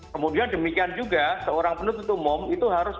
kemudian demikian juga seorang penutup umum itu harus